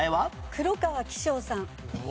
黒川紀章さん。